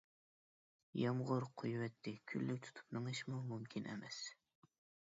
يامغۇر قۇيۇۋەتتى، كۈنلۈك تۇتۇپ مېڭىشمۇ مۇمكىن ئەمەس.